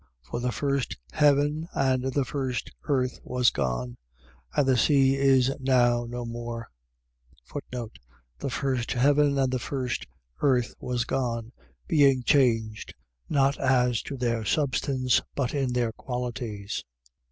For the first heaven and the first earth was gone: and the sea is now no more. The first heaven and the first earth was gone. . .being changed, not as to their substance, but in their qualities.